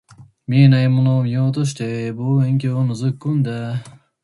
見えないものを見ようとして、望遠鏡を覗き込んだ